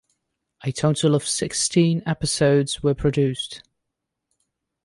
A total of sixteen episodes were produced.